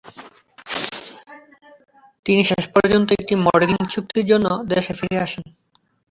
তিনি শেষ পর্যন্ত একটি মডেলিং চুক্তির জন্য দেশে ফিরে আসেন।